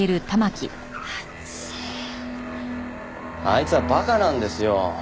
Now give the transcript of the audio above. あいつは馬鹿なんですよ。